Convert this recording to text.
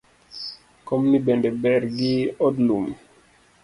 Komni bende ber gi od lum?